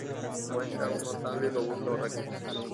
Muestra un notable y robusto raquis.